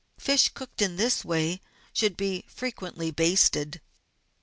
Fish cooked in this way should be frequently basted.